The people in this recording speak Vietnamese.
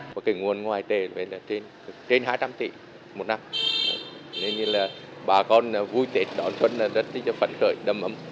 có cái nguồn ngoài tết thì là trên hai trăm linh tỷ một năm nên như là bà con vui tết đón xuân là rất là phấn khởi đầm ấm